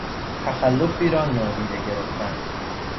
تخلفی را نادیده گرفتن